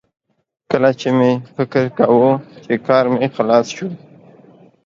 کله چې مې فکر کاوه چې کار مې خلاص شو